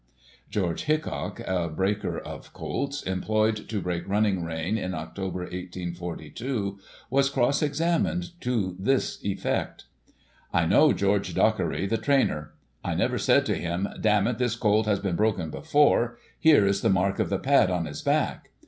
George Hitchcock, a breaker of colts, employed to break Running Rein in October, 1842, was cross examined to this effect: " I know George Dockeray, the trainer. I never said to him, * Damn it, this colt has been broken before ; here is the mark of the pad on his back.'